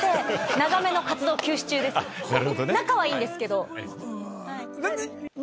仲はいいんですけど。